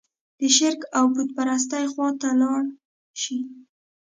د شرک او بوت پرستۍ خوا ته لاړ شي.